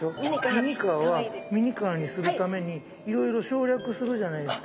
ミニカーはミニカーにするためにいろいろ省略するじゃないですか。